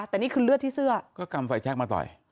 แต่นี่คือเลือดที่เสื้อก็กำไฟแชคมาต่อย